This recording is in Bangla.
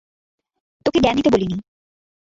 তোকে জ্ঞান দিতে বলিনি।